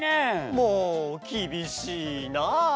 もうきびしいな！